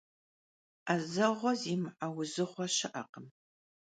'ezeğue zimı'e vuzığue şı'ekhım.